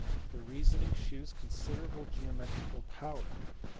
The reasoning shews con siderable geometrical power.